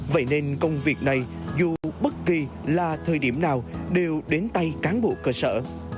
vậy nên công việc này dù bất kỳ là thời điểm nào đều đến tay cán bộ cơ sở